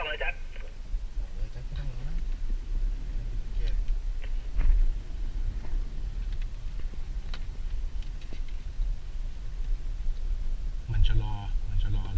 มันจะรอมันจะรอเลยมันจะรอรถแล้วนะ